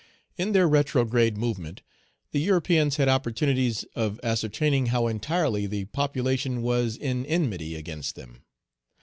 In their retrograde movement, the Europeans had opportunities of ascertaining how entirely the population was in enmity against them.